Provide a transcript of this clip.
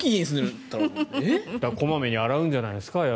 やっぱり、小まめに洗うんじゃないですか。